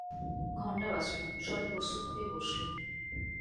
ঘণ্টা বাজলো, সবাই প্রস্তুত হয়ে বসল।